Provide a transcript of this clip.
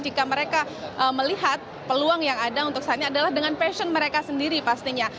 jika mereka melihat peluang yang ada untuk saat ini adalah dengan passion mereka sendiri pastinya